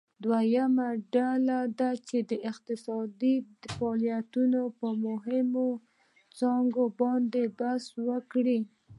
دویمه ډله دې د اقتصادي فعالیتونو په مهمو څانګو باندې بحث وکړي.